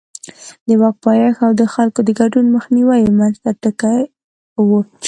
د واک پایښت او د خلکو د ګډون مخنیوی یې منځ ټکی و.